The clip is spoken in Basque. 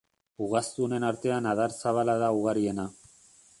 Ugaztunen artean adarzabala da ugariena.